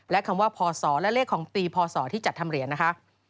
และคำว่าพศและเลขของปีพศที่จัดทำเหรียญนะคะ